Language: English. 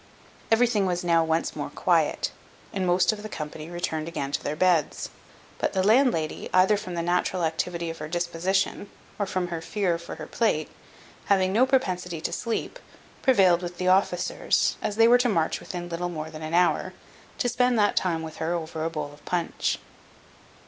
Everything was now once more quiet, and most of the company returned again to their beds; but the landlady, either from the natural activity of her disposition, or from her fear for her plate, having no propensity to sleep, prevailed with the officers, as they were to march within little more than an hour, to spend that time with her over a bowl of punch.